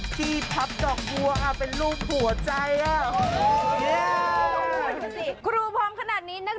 จะพอมาก่อนสิ